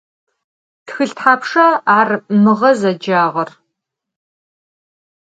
Txılh thapşşa ar mığe zecağer?